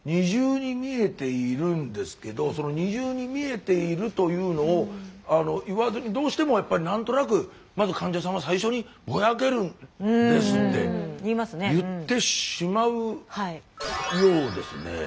２重に見えているんですけどその２重に見えているというのを言わずにどうしてもやっぱり何となくまず患者さんは最初に「ぼやけるんです」って言ってしまうようですね。